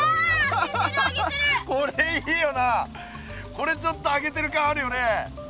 これちょっと揚げてる感あるよね。